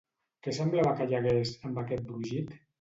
Què semblava que hi hagués, amb aquest brogit?